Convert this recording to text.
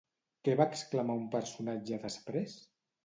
Què va exclamar un personatge després?